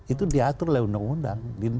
itu diatur oleh undang undang